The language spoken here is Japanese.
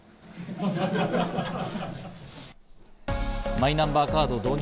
マイナンバーカード導入